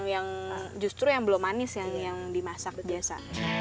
yang justru yang belum manis yang dimasak biasa